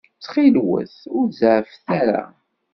Ttxil-wet, ur zeɛɛfet ara.